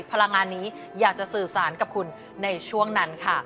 พลังงานนี้อยากจะสื่อสารกับคุณในช่วงนั้นค่ะ